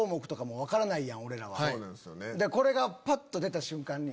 これがぱっと出た瞬間に。